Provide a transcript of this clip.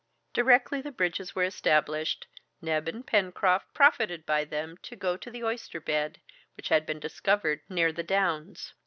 Directly the bridges were established, Neb and Pencroft profited by them to go to the oyster bed which had been discovered near the downs.